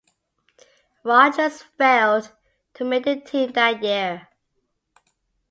Rodgers failed to make the team that year.